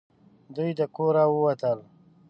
دوی د کوره ووتل .